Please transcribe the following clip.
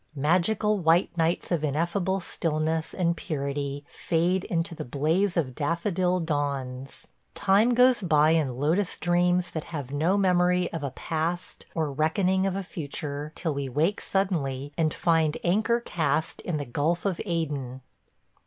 ... Magical white nights of ineffable stillness and purity fade into the blaze of daffodil dawns. ... Time goes by in lotus dreams that have no memory of a past or reckoning of a future till we wake suddenly, and find anchor cast in the gulf of Aden.